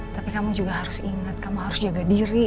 tapi kamu juga harus ingat kamu harus jaga diri